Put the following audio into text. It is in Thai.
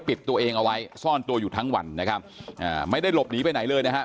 ปิดตัวเองเอาไว้ซ่อนตัวอยู่ทั้งวันนะครับอ่าไม่ได้หลบหนีไปไหนเลยนะฮะ